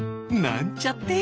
なんちゃって。